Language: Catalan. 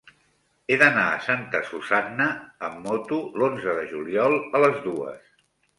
He d'anar a Santa Susanna amb moto l'onze de juliol a les dues.